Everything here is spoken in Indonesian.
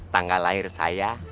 tanggal lahir saya